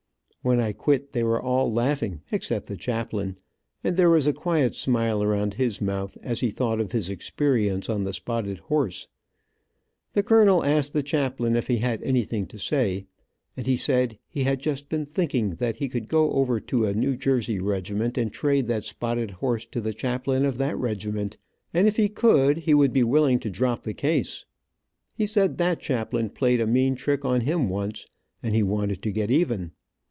When I quit they were all laughing except the chaplain, and there was a quiet smile around his mouth, as he thought of his experience on the spotted horse. The colonel asked the chaplain, if he had anything to say, and he said he had just been thinking that he could go over to a New Jersey regiment and trade that spotted horse to the chaplain of that regiment, and if he could, he would be willing to drop the case. He said that chaplain played a mean trick on him once, and he wanted to get even.